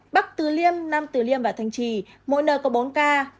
bắc tứ liêm nam tứ liêm và thành trì mỗi nơi có bốn ca